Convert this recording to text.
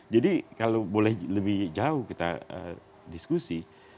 jadi kalau boleh lebih jauh kita diskusi